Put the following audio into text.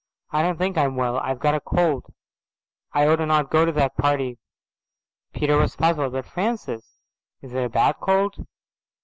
I don't think I'm well. I've got a cold. I oughtn't to go to the party." Peter was puzzled. "But Francis, is it a bad cold?"